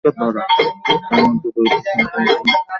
তার মধ্যে দুইটি গল্প সংকলন, পাঁচটি নাটক ও দুইটি শিশুতোষ রচনা।